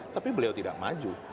tapi beliau tidak maju